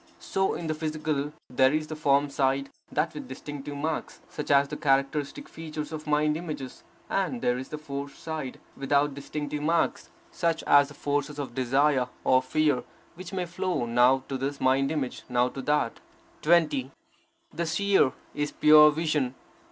So in the psychical; there is the form side; that with distinctive marks, such as the characteristic features of mind images; and there is the force side, without distinctive marks, such as the forces of desire or fear, which may flow now to this mind image, now to that. 20. The Seer is pure vision.